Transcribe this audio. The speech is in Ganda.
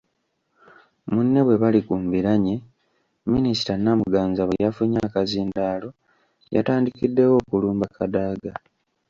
Munne bwe bali ku mbiranye, Minisita Namuganza bwe yafunye akazindaalo yatandikiddewo okulumba Kadaga.